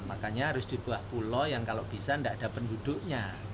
makanya harus di buah pulau yang kalau bisa tidak ada penduduknya